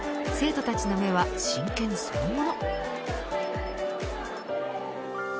ですが、生徒たちの目は真剣そのもの。